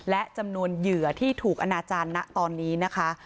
และจำนวนเหยื่อที่ถูกอนาจารย์นะตอนนี้นะคะ